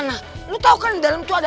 ya udah kita ke rumah